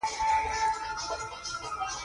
خوب د پوستکي ښکلا ته ګټه رسوي